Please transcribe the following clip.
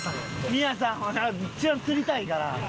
宮さん一番釣りたいから。